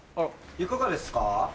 ・いかがですか？